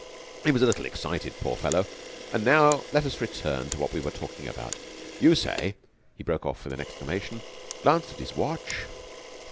He was a little excited, poor fellow. And now let us return to what we were talking about. You say...." He broke off with an exclamation, and glanced at his watch.